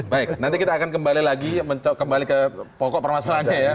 baik nanti kita akan kembali lagi kembali ke pokok permasalahannya ya